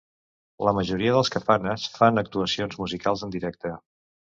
La majoria dels kafanas fan actuacions musicals en directe.